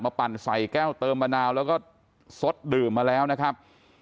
ปั่นใส่แก้วเติมมะนาวแล้วก็สดดื่มมาแล้วนะครับ